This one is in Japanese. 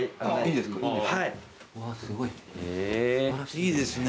いいですね。